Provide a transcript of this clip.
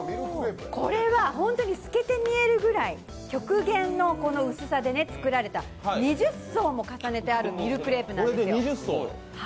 これは本当に透けて見えるくらい極限の薄さで作られた作られた２０層も重ねてあるミルクレープなんです。